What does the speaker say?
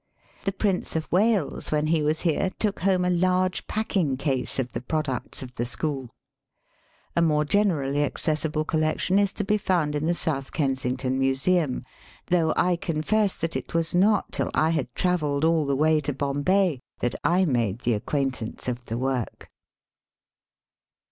The Prince of Wales, when he was here, took home a large packing case of the products of the school. A more generally accessible collection is to be found in the South Kensington Museum, though I confess that it was not till I had travelled all the way to Bombay that I made the acquaint ance of the work.